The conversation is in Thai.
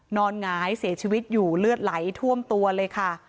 หงายเสียชีวิตอยู่เลือดไหลท่วมตัวเลยค่ะ